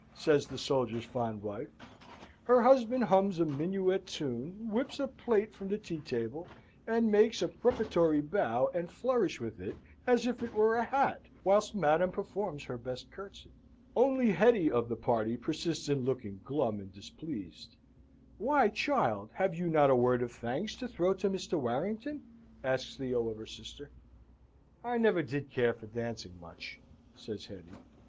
says the soldier's fond wife. Her husband hums a minuet tune; whips a plate from the tea table, and makes a preparatory bow and flourish with it as if it were a hat, whilst madam performs her best curtsey. Only Hetty, of the party, persists in looking glum and displeased. "Why, child, have you not a word of thanks to throw to Mr. Warrington?" asks Theo of her sister. "I never did care for dancing much," says Hetty.